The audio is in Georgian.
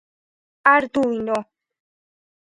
არდუინო